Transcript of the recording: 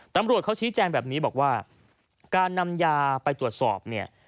ตำรวจเขาชี้แจงแบบนี้บอกว่าการนำยาไปตรวจสอบเนี่ย